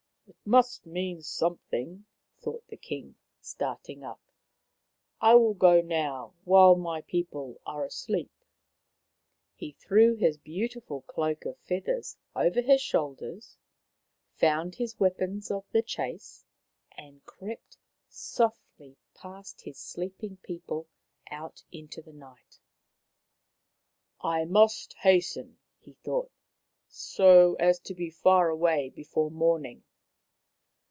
" It must mean something," thought the King, starting up. " I will go now, while my people are asleep." He threw his beautiful cloak of feathers over his shoulders, found his weapons of the chase, and crept softly past his sleeping people out into the night. "I must hasten," he thought, "so as to be far away before morning.